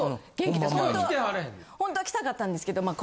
ホントは来たかったんですけどまあ